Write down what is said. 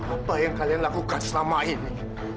apa yang kalian lakukan selama ini